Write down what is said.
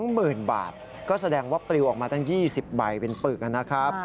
หมื่นบาทก็แสดงว่าปลิวออกมาตั้ง๒๐ใบเป็นปึกนะครับ